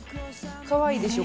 かわいいでしょ？